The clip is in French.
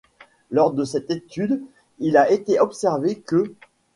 Lors de cette étude il a été observé que '.